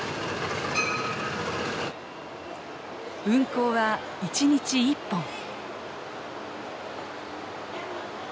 運行は１日１本。